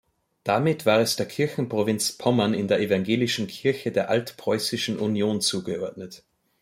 Damit war es der Kirchenprovinz Pommern in der evangelischen Kirche der Altpreußischen Union zugeordnet.